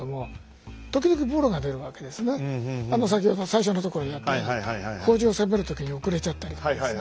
先ほど最初のところでやってはった北条を攻める時に遅れちゃったりとかですね。